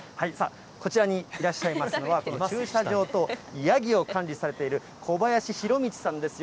こちらにいらっしゃいますのは、駐車場とヤギを管理されている、小林広道さんです。